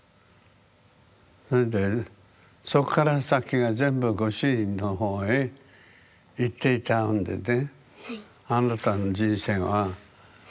それでそこから先は全部ご主人の方へいっていたんでね。